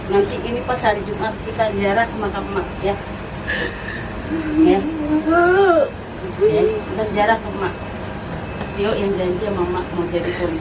nanti ini pas hari juga kita jarak maka emak ya ya ya terjarak emak yoin janji sama mau jadi